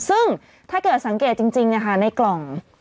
ซึ่งถ้าเกราะสังเกตจริงนะคะในกล่อง